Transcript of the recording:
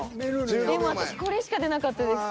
でも私これしか出なかったです。